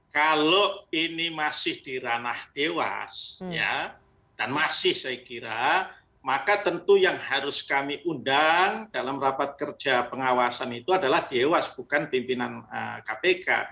kalau ini masih di ranah dewas dan masih saya kira maka tentu yang harus kami undang dalam rapat kerja pengawasan itu adalah dewas bukan pimpinan kpk